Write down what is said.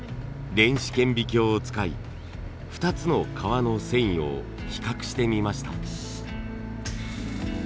電子顕微鏡を使い２つの革の繊維を比較してみました。